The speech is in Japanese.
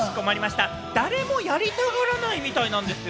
誰もやりたがらないみたいなんですよ。